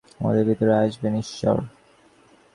আমরা যত সরে যাব, ততই ঈশ্বর আমাদের ভিতর আসবেন।